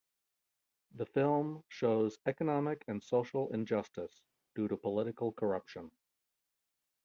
The film shows economic and social injustice due to political corruption.